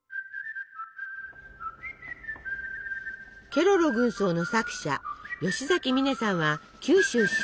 ケロロ軍曹の作者吉崎観音さんは九州出身。